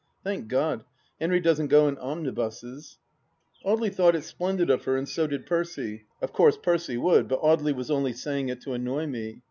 Thank God, Henry doesn't go in omnibuses 1 Audely thought it splendid of her, and so did Percy. Of course Percy would, but Audely was only saying it to annoy me.